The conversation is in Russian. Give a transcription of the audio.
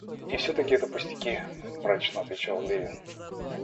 И всё это пустяки, — мрачно отвечал Левин.